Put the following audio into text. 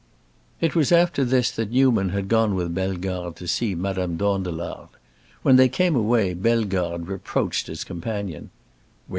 It was after this that Newman had gone with Bellegarde to see Madame Dandelard. When they came away, Bellegarde reproached his companion.